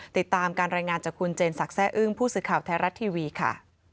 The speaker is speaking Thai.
ติดตามการรายงานจากคุณเจนสักแร่อึ้งผู้สื่อข่าวไทยรัฐทีวีค่ะ